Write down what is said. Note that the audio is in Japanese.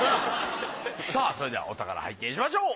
さあそれではお宝拝見しましょう。